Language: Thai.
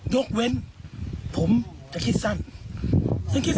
ยกเว้นผมจะคิดสรรค์